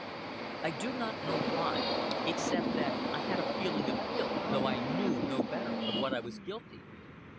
I do not know why, except that I had a feeling of guilt, though I knew no better of what I was guilty.